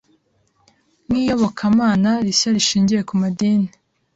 Nk’iyobokamana rishya rishingiye ku madini